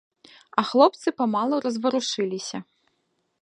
А хлопцы памалу разварушыліся.